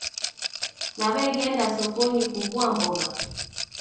Naw'eghenda sokonyi kughua mbogha